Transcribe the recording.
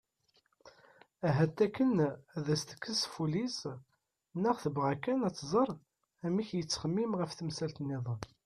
Ahat akken ad as-tekkes ɣef wul-is neɣ tebɣa kan ad tẓer amek yettxemmim ɣef temsal-nniḍen.